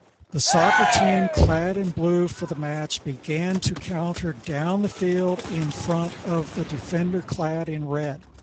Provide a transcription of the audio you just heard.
The soccer team clad in blue for the match began to counter down the field in front of the defender clad in red